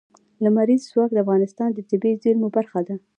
لمریز ځواک د افغانستان د طبیعي زیرمو برخه ده.